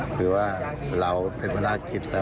คือว่าเราก็เป็นพราชกิจ